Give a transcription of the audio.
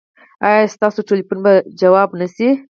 ایا ستاسو ټیلیفون به ځواب نه شي؟